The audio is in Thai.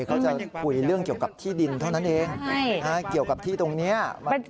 เขาจะคุยเรื่องเกี่ยวกับที่ดินเท่านั้นเองเกี่ยวกับที่ตรงนี้